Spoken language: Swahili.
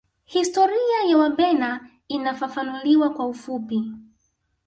Historia ya Wabena inafafanuliwa kwa ufupi